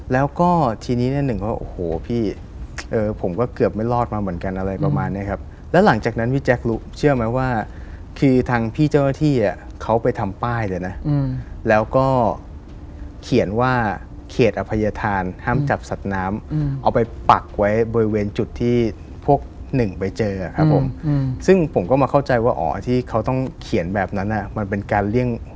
แล้วก็ทีนี้เนี่ยหนึ่งก็โอ้โหพี่เออผมก็เกือบไม่รอดมาเหมือนกันอะไรประมาณเนี้ยครับแล้วหลังจากนั้นพี่แจ๊ครู้เชื่อไหมว่าคือทางพี่เจ้าหน้าที่อ่ะเขาไปทำป้ายเลยนะแล้วก็เขียนว่าเขตอภัยธานห้ามจับสัตว์น้ำเอาไปปักไว้บริเวณจุดที่พวกหนึ่งไปเจอครับผมซึ่งผมก็มาเข้าใจว่าอ๋อที่เขาต้องเขียนแบบนั้นอ่ะมันเป็นการเลี่ย